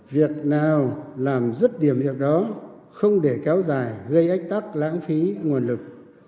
việc nào làm rút điểm được đó không để kéo dài gây ách tắc lãng phí nguồn lực